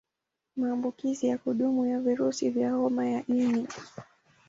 Maambukizi ya kudumu ya virusi vya Homa ya ini